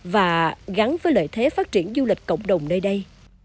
và gắn với lợi thế phát triển du lịch cộng đồng nơi đây